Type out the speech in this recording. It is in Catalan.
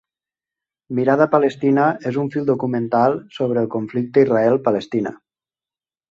Mirada Palestina és un film documental sobre el conflicte Israel-Palestina.